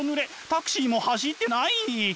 タクシーも走ってない！